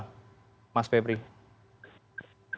dan juga dari pembunuhan joshua